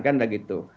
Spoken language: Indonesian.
kan lah gitu